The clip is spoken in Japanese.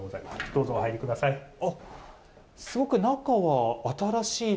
どうぞ、お入りください。